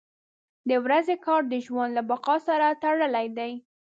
• د ورځې کار د ژوند له بقا سره تړلی دی.